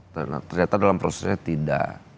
ternyata dalam prosesnya tidak